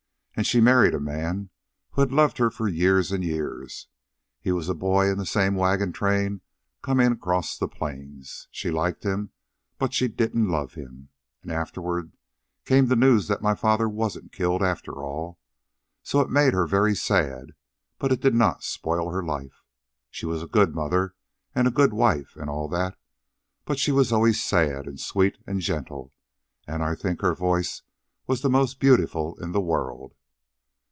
And she married a man who had loved her for years and years. He was a boy in the same wagon train coming across the plains. She liked him, but she didn't love him. And afterward came the news that my father wasn't killed after all. So it made her very sad, but it did not spoil her life. She was a good mother and a good wife and all that, but she was always sad, and sweet, and gentle, and I think her voice was the most beautiful in the world."